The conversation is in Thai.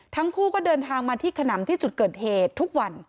ทั้งคู่ก็เดินทางมาที่ขนำที่จุดเกิดเหตุทุกวัน